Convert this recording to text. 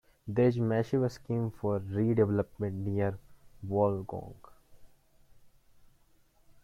There is a massive scheme for redevelopment near Wollongong.